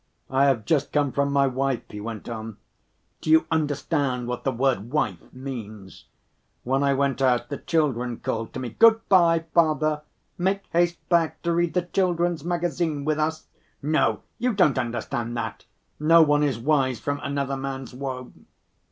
"I have just come from my wife," he went on. "Do you understand what the word 'wife' means? When I went out, the children called to me, 'Good‐by, father, make haste back to read The Children's Magazine with us.' No, you don't understand that! No one is wise from another man's woe."